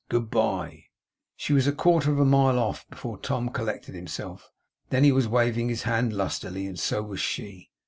Good bye!' She was a quarter of a mile off, before Tom collected himself; and then he was waving his hand lustily; and so was she.